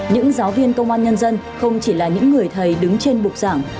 những giáo viên công an nhân dân không chỉ là những người thầy đứng trên bục giảng